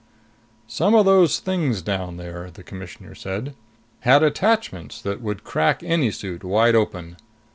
"Some of those things down there," the Commissioner said, "had attachments that would crack any suit wide open.